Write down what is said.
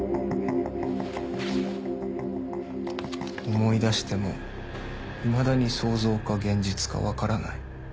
思い出してもいまだに想像か現実かわからない。